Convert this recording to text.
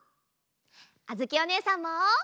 あづきおねえさんも。